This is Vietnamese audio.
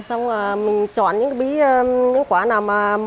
xong rồi mình chọn những quả nào